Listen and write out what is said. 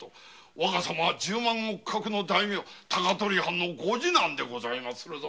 若様は十万石格の大名高取藩のご次男でございまするぞ。